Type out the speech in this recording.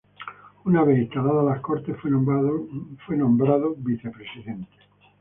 Una vez instaladas las Cortes, fue nombrado vicepresidente.